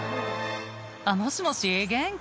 「あっもしもし元気？」